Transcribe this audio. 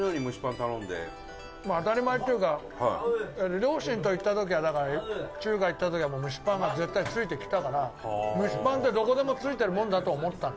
長嶋：当たり前っていうか両親と行った時はだから、中華行った時はもう、蒸しパンが絶対ついてきたから蒸しパンって、どこでもついてるもんだと思ってたの。